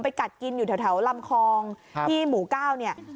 กัดกินอยู่แถวลำคลองที่หมู่๙เนี่ย